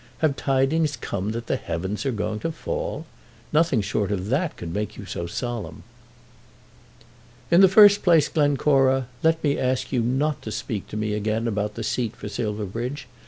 Have tidings come that the heavens are going to fall? Nothing short of that could make you so solemn." "In the first place, Glencora, let me ask you not to speak to me again about the seat for Silverbridge.